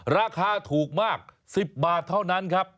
ราคาถูกมาก๑๐บาทเท่านั้นครับ